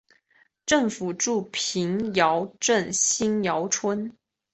政府驻瓶窑镇新窑村。